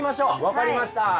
分かりました。